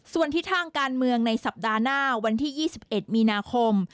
ส่วนทิศทางการเมืองในสัปดาห์หน้าวันที่๒๑มีนาคม